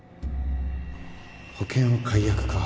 保険を解約か